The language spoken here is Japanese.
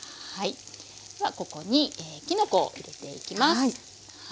ではここにきのこを入れていきます。